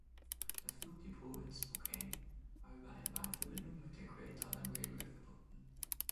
Das Flugdepot in Spokane war über eine Bahnverbindung mit der Great Northern Railway verbunden.